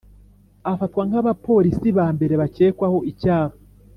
afatwa nkabapolisi ba mbere bakekwaho icyaha.